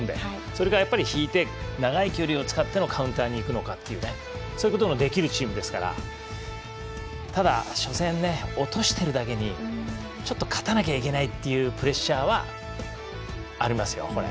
それか、引いて長い距離を使ってのカウンターにいくのかっていうそういうこともできるチームですからただ初戦、落としてるだけにちょっと勝たなきゃいけないというプレッシャーはありますよ。